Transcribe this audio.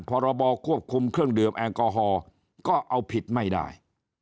พรบควบคุมเครื่องดื่มแอลกอฮอล์ก็เอาผิดไม่ได้